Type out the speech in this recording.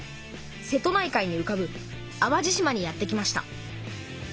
瀬戸内海にうかぶ淡路島にやって来ました。